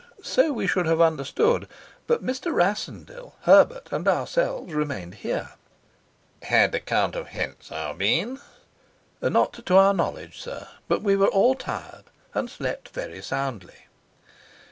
"So we should have understood. But Mr. Rassendyll, Herbert, and ourselves remained here." "Had the Count of Hentzau been?" "Not to our knowledge, sir. But we were all tired and slept very soundly."